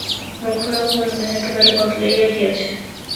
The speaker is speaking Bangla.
মুখরা কুন্দ একেবারে বদলাইয়া গিয়াছে।